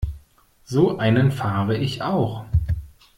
So einen fahre ich auch.